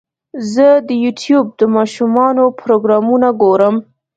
زه د یوټیوب د ماشومانو پروګرامونه ګورم.